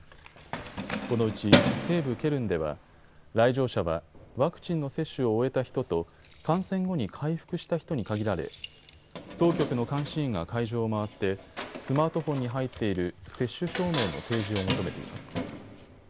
このうち西部ケルンでは来場者はワクチンの接種を終えた人と感染後に回復した人に限られ当局の監視員が会場を回ってスマートフォンに入っている接種証明の提示を求めています。